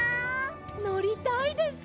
のりたいです！